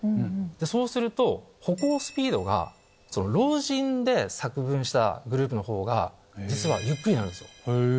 そうすると歩行スピードが老人で作文したグループのほうが実はゆっくりなんですよ。